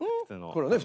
これはね